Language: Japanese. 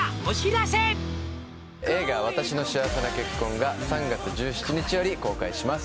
映画「わたしの幸せな結婚」が３月１７日より公開します